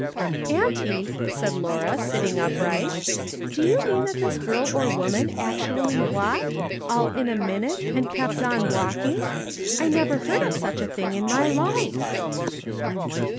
'"" Auntie," said Laura, sitting upright, " do you mean that this girl or woman actually walked, all in a minute, and kept on walking ! I never heard of such a thing in my life